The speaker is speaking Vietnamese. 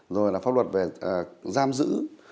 rồi là pháp luật về giam giữ